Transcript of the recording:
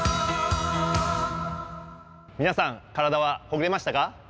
皆さん、体はほぐれましたか。